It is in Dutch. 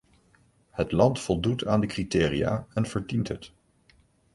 Het land voldoet aan de criteria en verdient het.